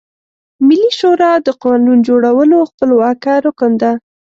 ملي شورا د قانون جوړولو خپلواکه رکن ده.